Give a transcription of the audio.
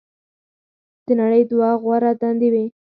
"د نړۍ دوه غوره دندې وې.